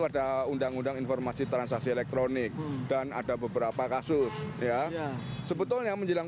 ada undang undang informasi transaksi elektronik dan ada beberapa kasus ya sebetulnya menjelang